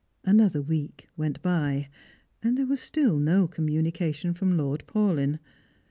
Another week went by, and there was still no communication from Lord Paulyn.